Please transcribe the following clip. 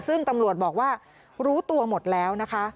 ซึ่งตำรวจบอกว่ารู้ตัวหมดแล้วนะคะ